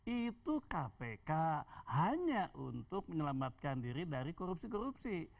itu kpk hanya untuk menyelamatkan diri dari korupsi korupsi